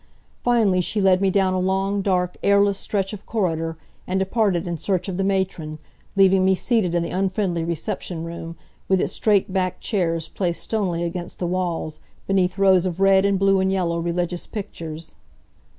Finally she led me down a long, dark, airless stretch of corridor and departed in search of the matron, leaving me seated in the unfriendly reception room, with its straight backed chairs placed stonily against the walls, beneath rows of red and blue and yellow religious pictures.